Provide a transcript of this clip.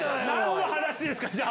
なんの話ですか！